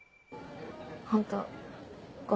ホントごめん。